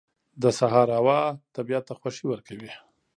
• د سهار هوا طبیعت ته خوښي ورکوي.